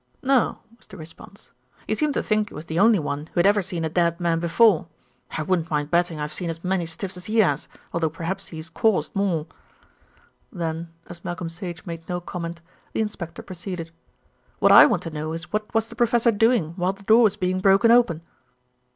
"No," was the response. "He seemed to think he was the only one who had ever seen a dead man before. I wouldn't mind betting I've seen as many stiffs as he has, although perhaps he's caused more." Then as Malcolm Sage made no comment, the inspector proceeded. "What I want to know is what was the professor doing while the door was being broken open?"